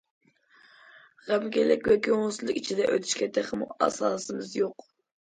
غەمكىنلىك ۋە كۆڭۈلسىزلىك ئىچىدە ئۆتۈشكە تېخىمۇ ئاساسىمىز يوق.